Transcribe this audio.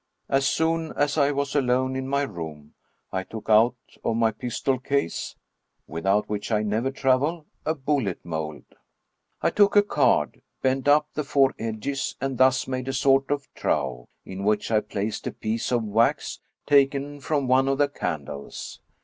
As soon as I was alone in my room, I took out of my pistol case — without which I never travel — a bullet mold. I took a card, bent up the four edges, and thus made a sort of trough, in which I placed a piece of wax taken from one of the candles.